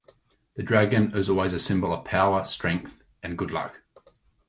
The dragon is also a symbol of power, strength, and good luck.